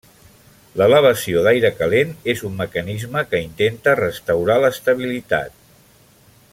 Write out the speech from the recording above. L'elevació d'aire calent és un mecanisme que intenta restaurar l'estabilitat.